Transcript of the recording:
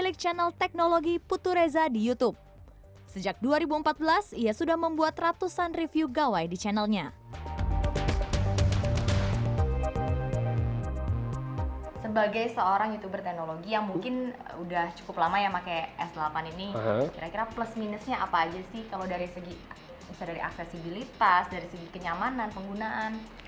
misalnya dari aksesibilitas dari segi kenyamanan penggunaan